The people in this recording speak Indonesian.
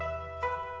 gak ada apa apa